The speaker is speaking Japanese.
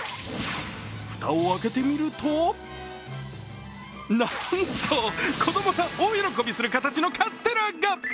蓋を開けてみるとなんと、子供が大喜びする形のカステラが！